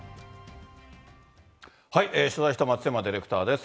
取材した松山ディレクターです。